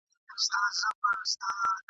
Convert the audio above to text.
خدایه یو لا انارګل درڅخه غواړو !.